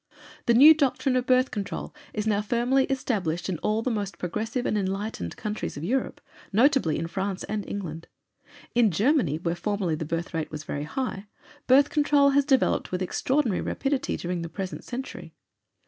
The new doctrine of Birth Control is now firmly established in all the most progressive and enlightened countries of Europe, notably in France and England; in Germany, where formerly the birth rate was very high, Birth Control has developed with extraordinary rapidity during the present century.